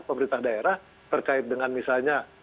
pemerintah daerah terkait dengan misalnya